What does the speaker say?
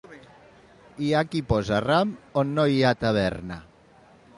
Hi ha qui posa ram on no hi ha taverna.